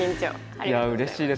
いやうれしいです。